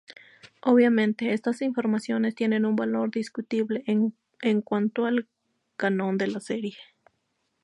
Obviamente, estas informaciones tienen un valor discutible en cuanto al canon de la serie.